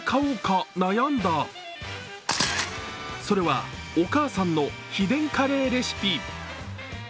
それはお母さんの秘伝カレーレシピ。